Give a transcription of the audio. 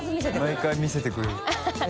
毎回見せてくれる。